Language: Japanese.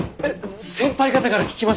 先輩方から聞きました！